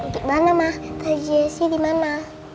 gimana ma tante jesse dimana